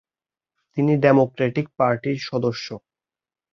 তিনি ডেমোক্র্যাটিক পার্টির সদস্য।